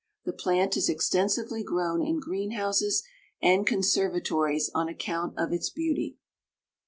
The plant is extensively grown in green houses and conservatories on account of its beauty.